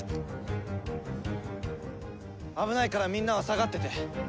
危ないからみんなは下がってて。